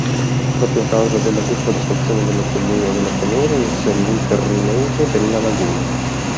Proprio a causa della deforestazione delle colline e della pianura iniziò l'interrimento della laguna.